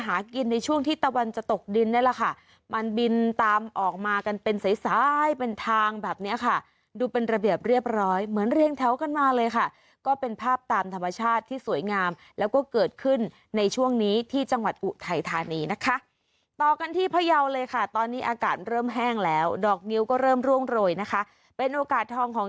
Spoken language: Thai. กินในช่วงที่ตะวันจะตกดินนี่แหละค่ะมันบินตามออกมากันเป็นสายสายเป็นทางแบบเนี้ยค่ะดูเป็นระเบียบเรียบร้อยเหมือนเรียงแถวกันมาเลยค่ะก็เป็นภาพตามธรรมชาติที่สวยงามแล้วก็เกิดขึ้นในช่วงนี้ที่จังหวัดอุทัยธานีนะคะต่อกันที่พยาวเลยค่ะตอนนี้อากาศเริ่มแห้งแล้วดอกนิ้วก็เริ่มร่วงโรยนะคะเป็นโอกาสทองของ